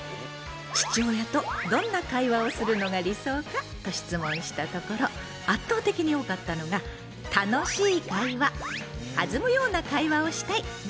「父親とどんな会話をするのが理想か？」と質問したところ圧倒的に多かったのが「楽しい会話」「弾むような会話をしたい」だったのよ。